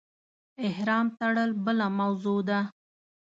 احرام تړل بله موضوع ده.